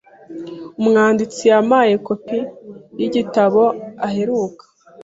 Umwanditsi yampaye kopi yigitabo aheruka.